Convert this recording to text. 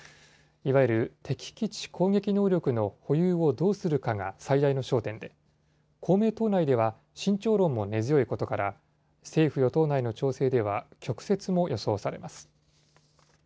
いわゆる敵基地攻撃能力の保有をどうするかが最大の焦点で、公明党内では、慎重論も根強いことから、政府・与党内の調整では曲折も予想されます。